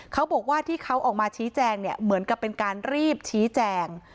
เขาบอกว่าที่เขาออกมาชี้แจงเนี่ยเหมือนกับเป็นการรีบชี้แจง